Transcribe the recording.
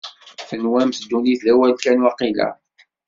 Tenwamt ddunit d awal kan, waqila?